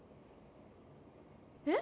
え？